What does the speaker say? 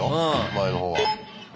前の方は。